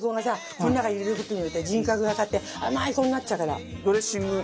この中に入れる事によって人格が変わって甘い子になっちゃうから。